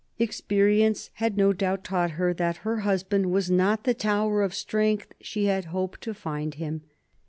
Experience had no doubt taught her that her husband was not the tower of strength she had hoped to find him.